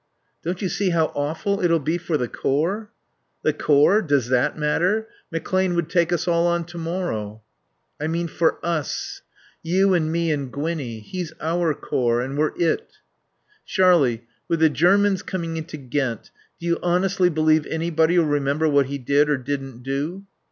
"Don't you see how awful it'll be for the Corps?" "The Corps? Does that matter? McClane would take us all on to morrow." "I mean for us. You and me and Gwinnie. He's our Corps, and we're it." "Sharlie with the Germans coming into Ghent do you honestly believe anybody'll remember what he did or didn't do?"